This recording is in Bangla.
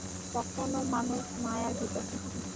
তখনও মানুষ মায়ার ভিতর থাকে।